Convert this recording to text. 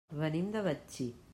Venim de Betxí.